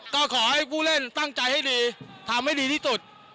ก็ขอให้ผู้เล่นตั้งใจให้ดีทำให้ดีที่สุด